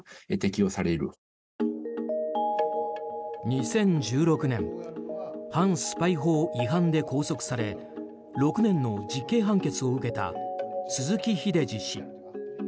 ２０１６年反スパイ法違反で拘束され６年の実刑判決を受けた鈴木英司氏。